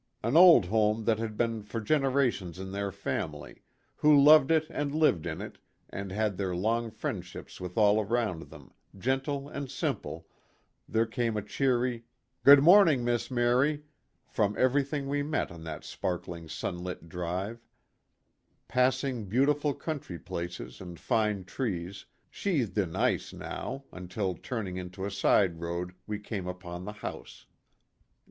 An old home that had been for generations in their family ; who loved it and lived in it and had their long friendships with all around them, gentle and simple there came a cheery "Good morning, Miss Mary," from everything we met on that sparkling sun lit drive ; passing beautiful country places and fine trees, sheathed in ice now, until turning into a side road we came upon the house.